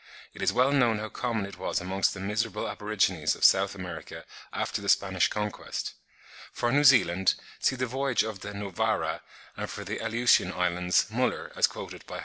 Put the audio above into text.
It is well known how common it was amongst the miserable aborigines of South America after the Spanish conquest. For New Zealand, see the voyage of the Novara, and for the Aleutian Islands, Müller, as quoted by Houzeau, 'Les Facultés Mentales,' etc.